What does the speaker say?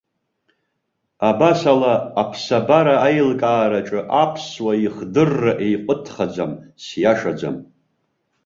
Абасала, аԥсабара аилкаараҿы аԥсуа ихдырра еиҟәыҭхаӡам, сиашаӡам.